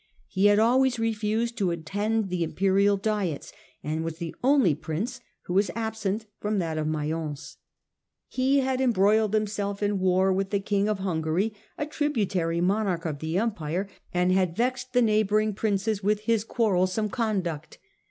He had always refused to attend the Imperial Diets and was the only Prince who was absent from that of Mayence. He had embroiled i 4 2 STUPOR MUNDI himself in war with the King of Hungary, a tributary monarch of the Empire, and had vexed the neighbouring Princes with his quarrelsome conduct.